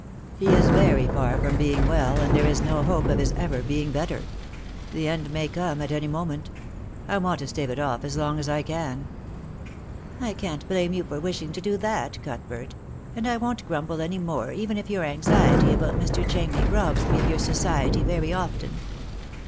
"He is very far from being well, and there is no hope of his ever being better. The end may come at any moment. I want to stave it off as long as I can." "I can't blame you for wishing to do that, Cuthbert; and I won't grumble any more even if your anxiety about Mr. Cham ney robs me of your society very often.